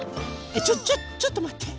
ちょっちょっちょっとまって。